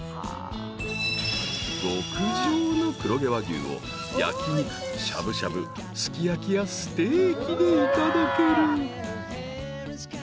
［極上の黒毛和牛を焼き肉しゃぶしゃぶすき焼きやステーキでいただける］